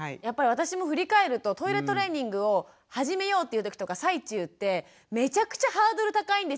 私も振り返るとトイレトレーニングを始めようというときとか最中ってめちゃくちゃハードル高いんですよ